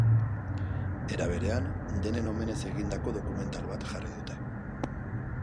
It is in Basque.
Era berean, denen omenez egindako dokumental bat jarri dute.